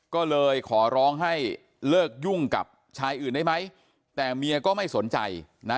ก็เลยขอร้องให้เลิกยุ่งกับชายอื่นได้ไหมแต่เมียก็ไม่สนใจนะ